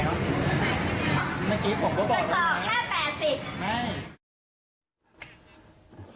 เฉาะแค่๘๐